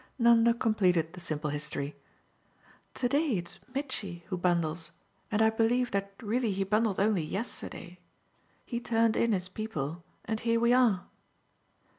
Nanda completed the simple history. "To day it's Mitchy who bundles, and I believe that really he bundled only yesterday. He turned in his people and here we are."